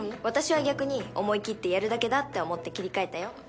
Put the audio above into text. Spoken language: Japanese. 私は逆に思い切ってやるだけだって思って切り替えたよ。